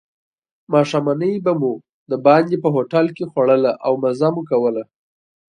ماښامنۍ به مو دباندې په هوټل کې خوړله او مزه مو کوله.